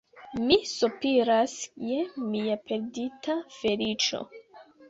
Mi sopiras je mia perdita feliĉo.